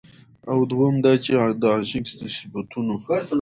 او دويم دا چې د عاشق د صفتونو